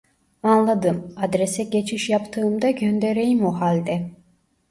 Anladım, adrese geçiş yaptığımda göndereyim o halde